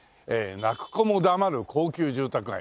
泣く子も黙る高級住宅街。